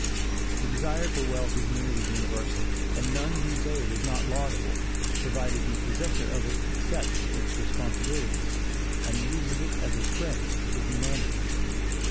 The desire for wealth is nearly universal, and none can say it is not laudable, provided the possessor of it accepts its responsibilities, and uses it as a friend to humanity.